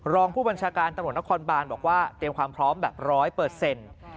รองผู้บัญชาการตำรวจนครบานบอกว่าเตรียมความพร้อมแบบร้อยเปอร์เซ็นต์